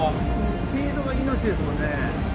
スピードが命ですもんね。